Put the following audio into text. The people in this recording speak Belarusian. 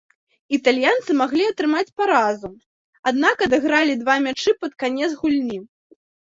Італьянцы маглі атрымаць паразу, аднак адыгралі два мячы пад канец гульні.